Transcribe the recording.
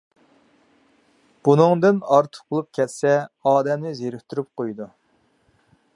بۇنىڭدىن ئارتۇق بولۇپ كەتسە ئادەمنى زېرىكتۈرۈپ قويىدۇ.